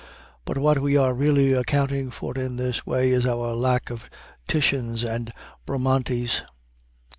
But what we are really accounting for in this way is our lack of Titians and Bramantes.